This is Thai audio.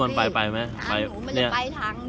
มันไม่มีทางเธอจะไปทางเดียวกัน